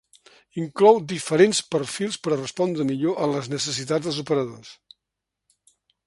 Inclou diferents perfils per a respondre millor a les necessitats dels operadors.